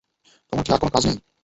তোমার কি আর কোনো কাজ নেই?